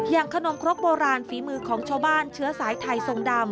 ขนมครกโบราณฝีมือของชาวบ้านเชื้อสายไทยทรงดำ